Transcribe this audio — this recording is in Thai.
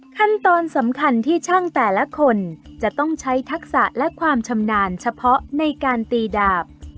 ขั้นตอนสำคัญที่ช่างแต่ละคนจะต้องใช้ทักษะและความชำนาญเฉพาะในการตีดาบ